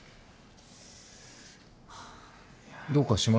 どうかしましたか？